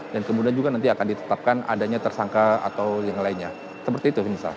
dan kemudian juga nanti akan ditetapkan adanya tersangka atau yang lainnya seperti itu